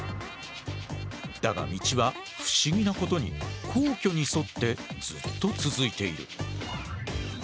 だが道は不思議なことに皇居に沿ってずっと続いている。